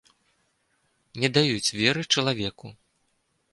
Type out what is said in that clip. Не даюць веры чалавеку.